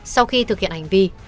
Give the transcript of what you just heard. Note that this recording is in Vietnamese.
sau khi thực hiện hành vi